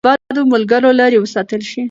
ماشومان باید له بدو ملګرو لرې وساتل شي.